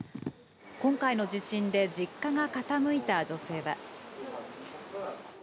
今回の地震で実家が傾いた女性は。